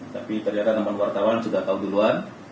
tapi terdapat teman wartawan sudah tahu duluan